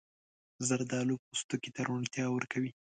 زردالو پوستکي ته روڼتیا ورکوي.